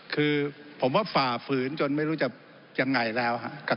คือผมว่าฝ่าฝืนจนไม่รู้จะยังไงแล้วครับ